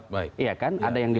posisinya yang lain